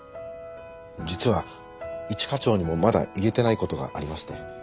実は一課長にもまだ言えてない事がありまして。